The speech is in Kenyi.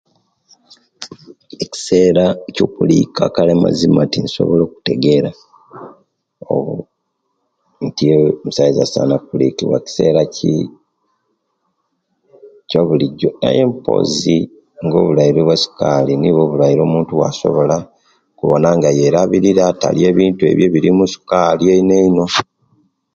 Ekiseera kyo'kumilika kale amazima tibasobola okutegeera oba omusaiza asana kulitibwa kisera ki kyabulijo aye mpozi nga obulwaire bwa sukali nga obwo'bulwaire omuntu obwa'soola kubonanga yelabilira talya ebintu ebyo ebilimu osukali eineino